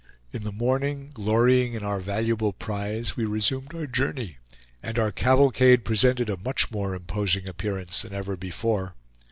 In the morning, glorying in our valuable prize, we resumed our journey, and our cavalcade presented a much more imposing appearance than ever before.